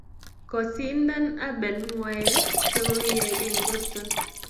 kosindan Abel ngwaek che kokiyai en boston